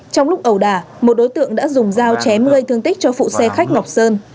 trong lúc ẩu đà một đối tượng đã dùng dao chém gây thương tích cho phụ xe khách ngọc sơn